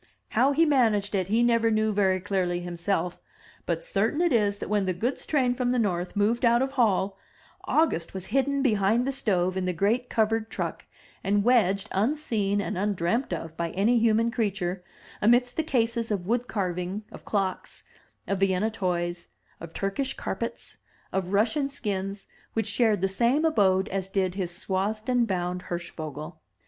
How he managed it he never knew very clearly himself, but certain it is that when the goods train from the north moved out of Hall, August was hidden behind the stove in the great covered truck, and wedged, unseen and undreamt of by any human creature, amidst the cases of wood carving, of clocks, of Vienna toys, of Turkish carpets, of Russsian skins, which shared the same abode as did his swathed and bound Hirschvogel.